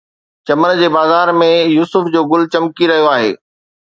چمن جي بازار ۾ يوسف جو گل چمڪي رهيو آهي